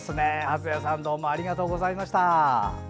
初枝さんありがとうございました。